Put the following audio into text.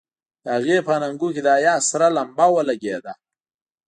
د هغې په اننګو کې د حيا سره لمبه ولګېده.